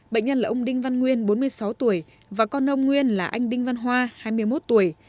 bệnh nhân là ông đinh văn nguyên bốn mươi sáu tuổi và con ông nguyên là anh đinh văn hoa hai mươi một tuổi